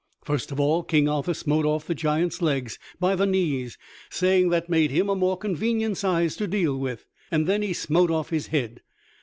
First of all, King Arthur smote off this giant's legs by the knees, saying that made him a more convenient size to deal with, and then he smote off his head.